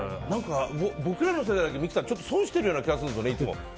僕らの世代は三木さん、ちょっと損してるような気がするんですよね。